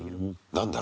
何だ？